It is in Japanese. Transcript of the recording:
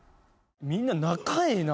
みんな仲ええな。